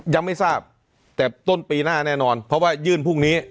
ยังไม่ทราบแต่ต้นปีหน้าแน่นอนเพราะว่ายื่นพรุ่งนี้